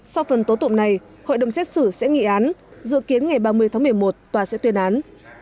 sau phần tố tụng này hội đồng xét xử sẽ nghị án dự kiến ngày ba mươi tháng một mươi một tòa sẽ tuyên án